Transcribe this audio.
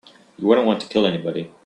You wouldn't want to kill anybody.